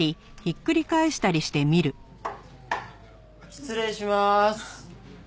失礼しまーす。